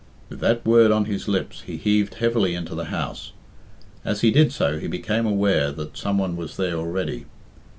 With that word on his lips he heaved heavily into the house. As he did so he became aware that some one was there already.